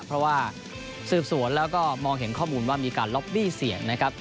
เพราะว่าสืบสวนแล้วก็มองเห็นข้อมูลว่ามีการล็อบบี้เสียงนะครับ